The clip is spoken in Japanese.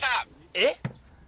えっ？